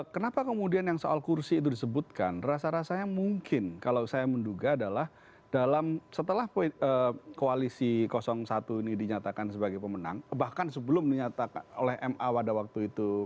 kenapa kemudian yang soal kursi itu disebutkan rasa rasanya mungkin kalau saya menduga adalah dalam setelah koalisi satu ini dinyatakan sebagai pemenang bahkan sebelum dinyatakan oleh ma pada waktu itu